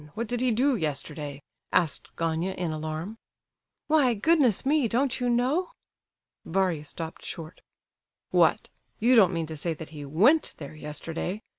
What did he do yesterday?" asked Gania, in alarm. "Why, goodness me, don't you know?" Varia stopped short. "What? You don't mean to say that he went there yesterday!"